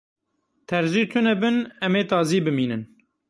Terzî tune bin, em ê tazî bimînin.